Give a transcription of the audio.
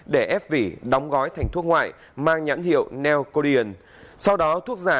để ép vỉ đóng gói thành thuốc ngoại